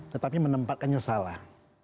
tetapi menempatkannya salah